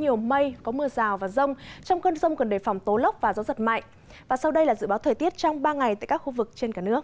hãy đăng kí cho kênh lalaschool để không bỏ lỡ những video hấp dẫn